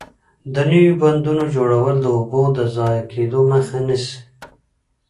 د نويو بندونو جوړول د اوبو د ضایع کېدو مخه نیسي.